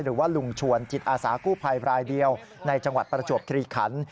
หรือว่าลุงชวนจิตอาสากู้ภัยรายเดียวในจังหวัดประจวบคลีขัน